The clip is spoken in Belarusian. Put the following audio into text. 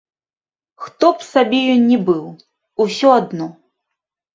Хто б сабе ён ні быў, усё адно.